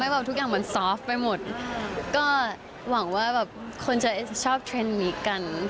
ว่าส่งผมของพี่แอนด์เนี่ย